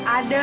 ada gak ya